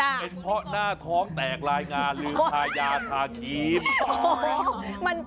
เห็นเพราะหน้าท้องแตกรายงานหรือใจยาทาคีม